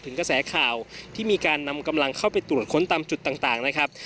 กระแสข่าวที่มีการนำกำลังเข้าไปตรวจค้นตามจุดต่างนะครับ